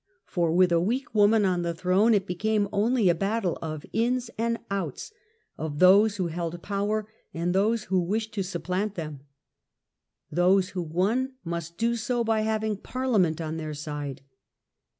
For, with a weak woman on the throne, it became only a battle of " ins " and " outs ", of those who held power and those who wished to supplant them. Those who won must do so by having Parliament on their side.